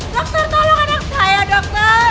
dokter tolong anak saya dokter